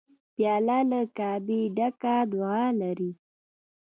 پیاله له کعبې ډکه دعا لري.